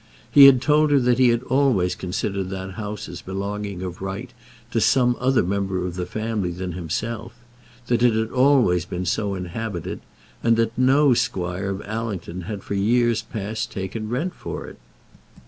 He had told her that he had always considered that house as belonging, of right, to some other of the family than himself; that it had always been so inhabited, and that no squire of Allington had for years past taken rent for it.